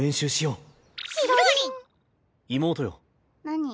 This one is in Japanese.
何？